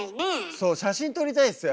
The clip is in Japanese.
そう写真撮りたいんすよ